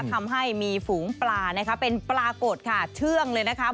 ทำให้มีฝูงปลานะคะเป็นปลากดค่ะเชื่องเลยนะคะ